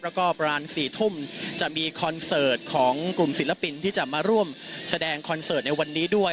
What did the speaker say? แล้วก็ประมาณ๔ทุ่มจะมีคอนเสิร์ตของกลุ่มศิลปินที่จะมาร่วมแสดงคอนเสิร์ตในวันนี้ด้วย